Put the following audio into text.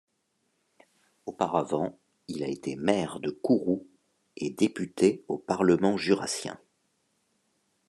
Auparavant, il a été maire de Courroux et député au Parlement jurassien.